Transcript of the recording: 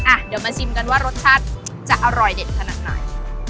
อ่ะเดี๋ยวมาชิมกันว่ารสชาติจะอร่อยเด็ดขนาดไหน